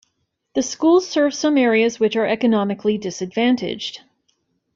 The school serves some areas which are economically disadvantaged.